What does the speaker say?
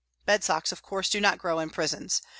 Bed socks, of course, do not grow in prisons.